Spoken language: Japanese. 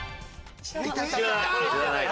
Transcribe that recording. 知らない。